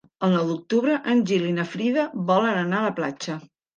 El nou d'octubre en Gil i na Frida volen anar a la platja.